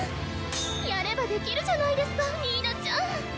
やればできるじゃないですかニーナちゃん。